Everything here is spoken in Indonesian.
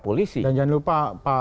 polisi dan jangan lupa